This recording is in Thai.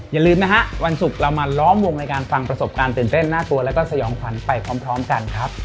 อย่าลืมนะฮะวันศุกร์เรามาล้อมวงในการฟังประสบการณ์ตื่นเต้นน่ากลัวแล้วก็สยองขวัญไปพร้อมกันครับ